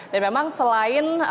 dan memang selain